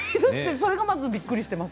それがまずびっくりしています。